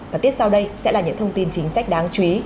và tiếp sau đây sẽ là những thông tin chính sách đáng chú ý